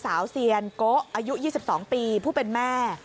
เซียนโกะอายุ๒๒ปีผู้เป็นแม่